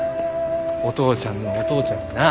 お父ちゃんのお父ちゃんにな。